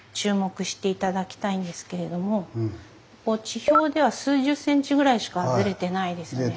地表では数十ｃｍぐらいしかずれてないですよね。